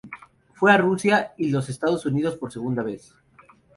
Fue a Rusia y los Estados Unidos por segunda vez.